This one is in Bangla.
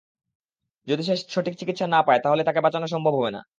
যদি সে সঠিক চিকিৎসা না পায়, তাহলে তাকে বাঁচানো সম্ভব হবে না।